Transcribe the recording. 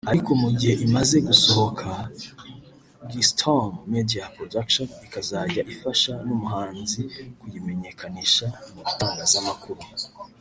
ariko mu gihe imaze gusohoka G-Storm Media Production ikazajya ifasha n’umuhanzi kuyimenyekanisha mu bitangazamakuru"